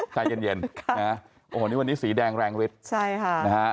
ใจเย็นเย็นนะโอ้โหนี่วันนี้สีแดงแรงฤทธิ์ใช่ค่ะนะฮะ